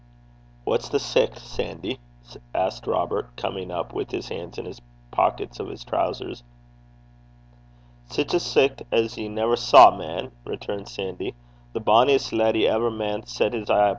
'What's the sicht, Sandy?' asked Robert, coming up with his hands in the pockets of his trowsers. 'Sic a sicht as ye never saw, man,' returned Sandy; 'the bonniest leddy ever man set his ee upo'.